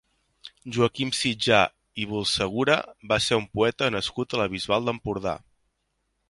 Joaquim Sitjar i Bulcegura va ser un poeta nascut a la Bisbal d'Empordà.